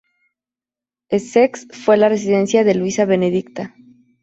Sceaux fue la residencia de Luisa Benedicta.